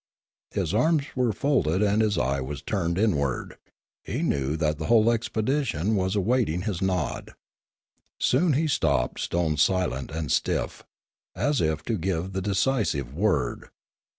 His arms were folded and his eye was turned inward; he knew that the whole expedition was await ing his nod. Soon he stopped stone silent and stiff, as if to give the decisive word.